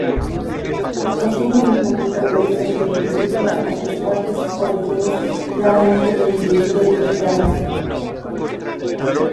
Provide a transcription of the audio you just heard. La cocina vietnamita puede ser circunscrita a tres partes o regiones claramente delimitadas.